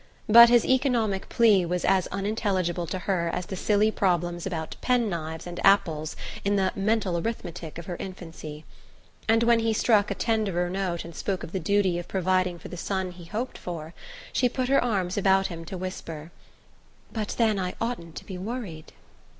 But his economic plea was as unintelligible to her as the silly problems about pen knives and apples in the "Mental Arithmetic" of her infancy; and when he struck a tenderer note and spoke of the duty of providing for the son he hoped for, she put her arms about him to whisper: "But then I oughtn't to be worried..."